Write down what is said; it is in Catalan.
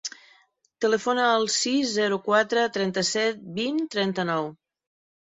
Telefona al sis, zero, quatre, trenta-set, vint, trenta-nou.